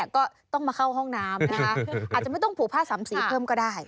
ก็ต้องมาเข้าห้องน้ำนะคะอาจจะไม่ต้องผูกผ้าสามสีเพิ่มก็ได้